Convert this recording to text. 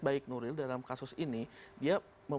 baik nuril dalam kasus ini dia